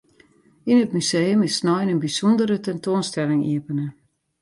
Yn it museum is snein in bysûndere tentoanstelling iepene.